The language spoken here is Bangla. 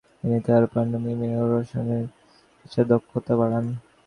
তিনি তার পান্তোমিমে ও রঙ্গশালার স্কেচের দক্ষতা বাড়ান।